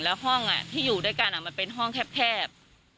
แล้วห้องที่อยู่ด้วยกันมันเป็นห้องแคบ